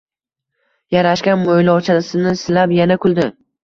yarashgan mo‘ylovchasini silab yana kuldi.